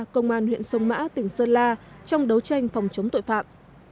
công an huyện sông mã tỉnh sơn la trong đấu tranh phòng chống tội phạm